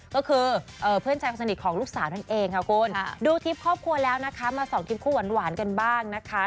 ก็คือเพื่อนชายสนิทของลูกสาวนั่นเองค่ะคุณดูทริปครอบครัวแล้วนะคะมาส่องทริปคู่หวานกันบ้างนะคะ